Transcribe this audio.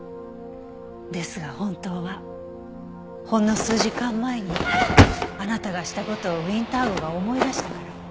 ですが本当はほんの数時間前にあなたがした事をウィンター号が思い出したから。